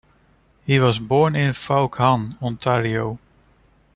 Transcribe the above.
He was born in Vaughan, Ontario.